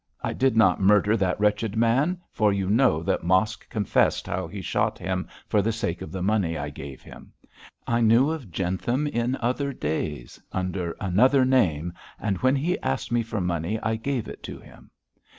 I did not murder that wretched man, for you know that Mosk confessed how he shot him for the sake of the money I gave him. I knew of Jentham in other days, under another name, and when he asked me for money I gave it to him.